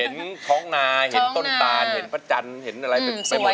เห็นท้องนาเห็นต้นตานเห็นพระจันทร์เห็นอะไรไปหมด